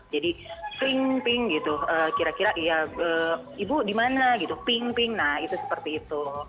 jadi ping ping gitu kira kira iya ibu dimana gitu ping ping nah itu seperti itu